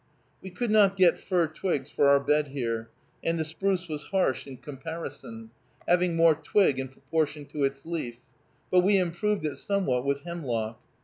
We could not get fir twigs for our bed here, and the spruce was harsh in comparison, having more twig in proportion to its leaf, but we improved it somewhat with hemlock.